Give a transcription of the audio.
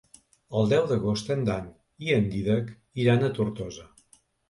El deu d'agost en Dan i en Dídac iran a Tortosa.